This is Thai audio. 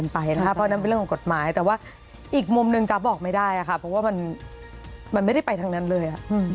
เพราะมันไม่ได้ไปทั้งนั้นเลย